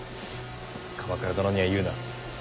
鎌倉殿には言うな。